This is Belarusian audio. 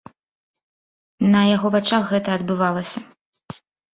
На яго вачах гэта адбывалася.